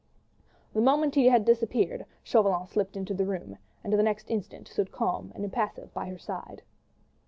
The moment he had disappeared, Chauvelin slipped into the room, and the next instant stood calm and impassive by her side.